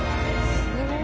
すごい。